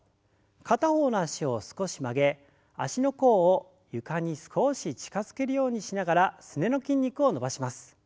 片方の脚を少し曲げ足の甲を床に少し近づけるようにしながらすねの筋肉を伸ばします。